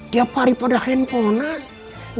tiap hari pada handphonan